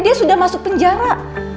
dia sudah masuk penjara